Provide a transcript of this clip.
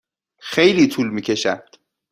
خیلی طول می کشد.